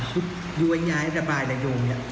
ชุดยุ้ยย้ายระบายลายโยงเนี้ย